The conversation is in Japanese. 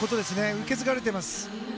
受け継がれています。